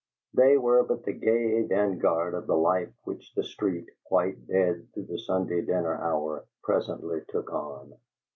They were but the gay vanguard of the life which the street, quite dead through the Sunday dinner hour, presently took on.